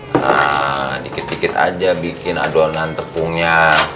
nah dikit dikit aja bikin adonan tepungnya